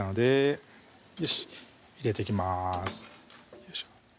よいしょ